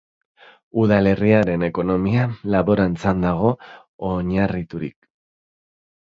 Udalerriaren ekonomia laborantzan dago oinarriturik.